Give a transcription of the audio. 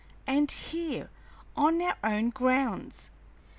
And here, in our own grounds?